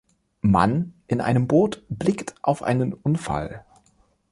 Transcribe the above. Mann in einem Boot blickt auf einen Unfall.